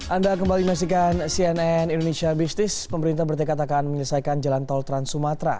anda kembali menyaksikan cnn indonesia business pemerintah bertekad akan menyelesaikan jalan tol trans sumatra